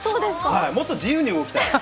もっと自由に動きたい。